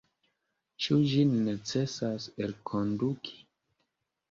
Ĉu ĝin necesas elkonduki?